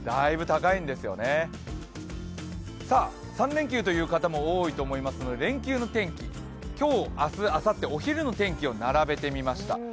３連休という方も多いと思いますので連休の天気、今日、明日、あさって、お昼の天気を並べてみました。